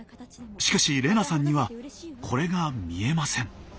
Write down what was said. しかし玲那さんにはこれが見えません。